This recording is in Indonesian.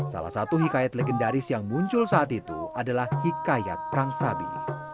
salah satu hikayat legendaris yang muncul saat itu adalah hikayat perang sabi